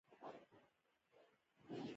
آب وهوا د افغانستان د بڼوالۍ یوه برخه ده.